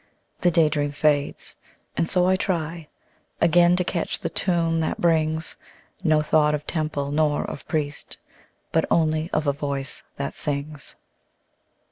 The day dream fades and so I try Again to catch the tune that brings No thought of temple nor of priest, But only of a voice that sings.